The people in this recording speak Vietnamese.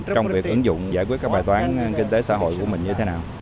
trong việc ứng dụng giải quyết các bài toán kinh tế xã hội của mình như thế nào